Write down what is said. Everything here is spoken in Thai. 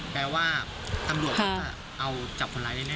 แปลว่าตำรวจเขาก็เอาจับคนร้ายแน่